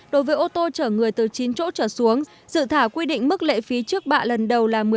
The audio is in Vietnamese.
đối với ô tô chở người từ chín chỗ trở xuống dự thảo quy định mức lệ phí trước bạ lần đầu là một mươi năm